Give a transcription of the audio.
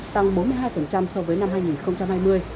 tăng bốn mươi hai so với năm hai nghìn hai mươi